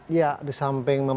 iya di samping mempertimbangkan